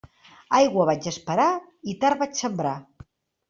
Aigua vaig esperar i tard vaig sembrar.